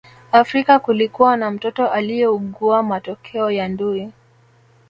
Afrika kulikuwa na mtoto aliyeugua matokeo ya ndui